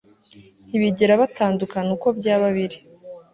ntibigera batandukana uko byaba biri